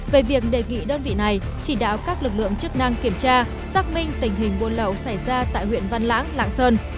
về việc đề nghị đơn vị này chỉ đạo các lực lượng chức năng kiểm tra xác minh tình hình buôn lậu xảy ra tại huyện văn lãng lạng sơn